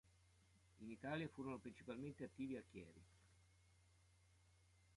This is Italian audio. In Italia furono principalmente attivi a Chieri.